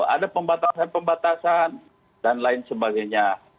ada pembatasan pembatasan dan lain sebagainya